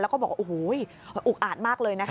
แล้วก็บอกว่าโอ้โหอุกอาจมากเลยนะคะ